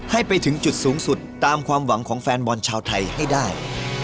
ให้ไปถึงจุดสูงสุดตามความหวังของแฟนบอลชาวไทยให้ได้